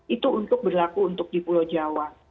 itu untuk berlaku untuk di pulau jawa